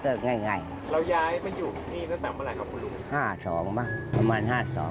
เราย้ายมาอยู่ที่นี่ตั้งแต่เมื่อไหร่ครับคุณลุง